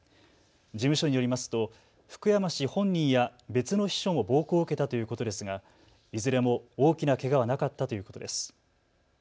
事務所によりますと福山氏本人や別の秘書も暴行を受けたということですが、いずれも大きなけがはなかったということです。